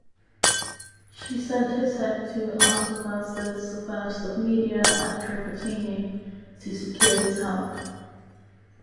She sent his head to Artavasdes I of Media Atropatene to secure his help.